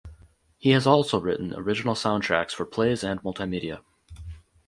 He has also written original soundtracks for plays and multimedia.